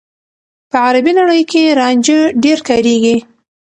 په عربي نړۍ کې رانجه ډېر کارېږي.